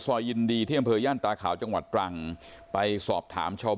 ซอยยินดีเที่ยวบริเวณย่านตาขาวจังหวัดตรังไปสอบถามชาว